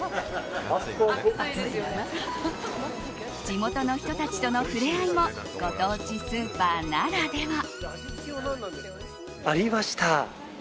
地元の人たちとの触れ合いもご当地スーパーならでは。